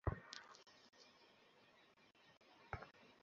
প্রশ্ন ফাঁস প্রমাণিত হলে নতুন করে ভর্তি পরীক্ষার আয়োজন করতে হবে।